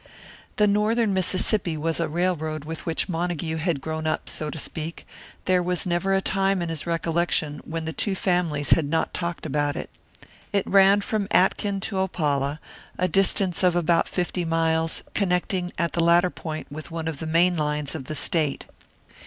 The Northern Mississippi was a railroad with which Montague had grown up, so to speak; there was never a time in his recollection when the two families had not talked about it. It ran from Atkin to Opala, a distance of about fifty miles, connecting at the latter point with one of the main lines of the State.